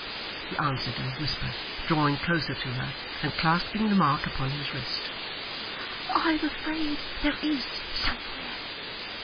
he answered in a whisper, drawing closer to her and clasping the mark upon his wrist. 'I am afraid there is, somewhere.